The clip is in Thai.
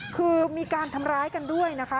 คือมีการทำร้ายกันด้วยนะคะ